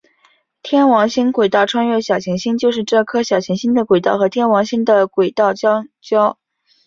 天王星轨道穿越小行星就是这颗小行星的轨道和天王星的轨道相交。